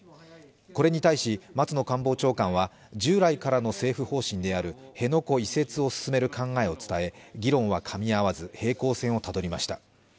これに対し松野官房長官は従来からの政府方針である辺野古移設を進める考えを伝え、議論はかみ合わず、平行線をたどりました。